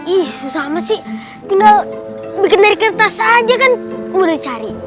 ih susah mah sih tinggal bikin dari kertas aja kan udah cari